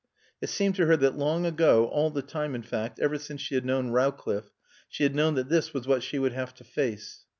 It seemed to her that long ago all the time, in fact, ever since she had known Rowcliffe she had known that this was what she would have to face.